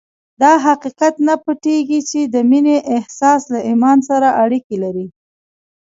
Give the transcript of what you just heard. دا حقیقت نه پټېږي چې د مینې احساس له ایمان سره اړیکې لري